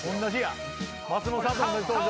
松本さんと同じ登場。